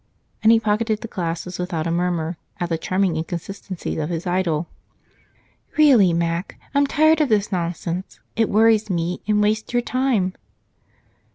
And he pocketed the glasses without a murmur at the charming inconsistency of his idol. "Really, Mac, I'm tired of this nonsense, it worries me and wastes your time."